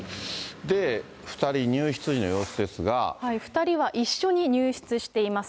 で、２人は一緒に入室しています。